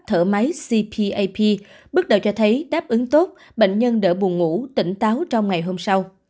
thở máy cpap bước đầu cho thấy đáp ứng tốt bệnh nhân đỡ buồn ngủ tỉnh táo trong ngày hôm sau